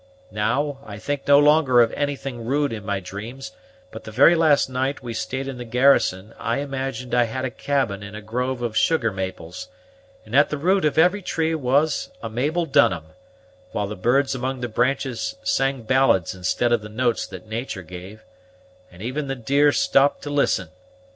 Now, I think no longer of anything rude in my dreams; but the very last night we stayed in the garrison I imagined I had a cabin in a grove of sugar maples, and at the root of every tree was a Mabel Dunham, while the birds among the branches sang ballads instead of the notes that natur' gave, and even the deer stopped to listen.